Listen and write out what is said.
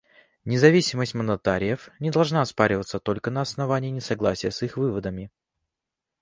Независимость мандатариев не должна оспариваться только на основании несогласия с их выводами.